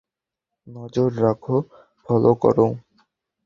নজর রাখো, ফলো করো।